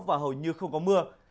và hầu như không có mưa